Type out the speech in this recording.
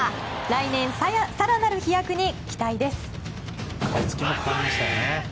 来年、更なる飛躍に期待です。